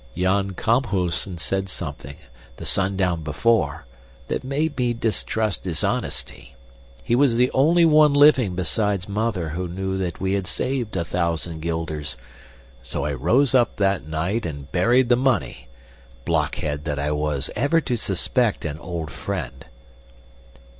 Jan Kamphuisen said something, the sundown before, that made me distrust his honesty. He was the only one living besides Mother who knew that we had saved a thousand guilders, so I rose up that night and buried the money blockhead that I was ever to suspect an old friend!"